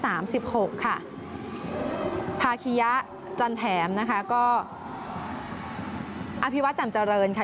สามสิบหกค่ะภาคียะจันแถมนะคะก็อภิวัตรจำเจริญค่ะ